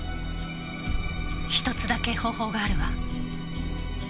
１つだけ方法があるわ。